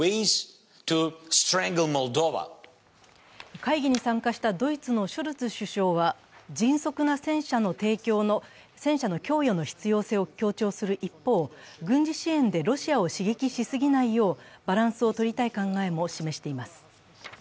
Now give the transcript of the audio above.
会議に参加したドイツのショルツ首相は、迅速な戦車の供与の必要性を強調する一方、軍事支援でロシアを刺激しすぎないよう、バランスをとりたい考えも示しています。